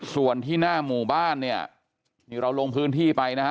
ส่วนที่หน้าหมู่บ้านเนี่ยนี่เราลงพื้นที่ไปนะฮะ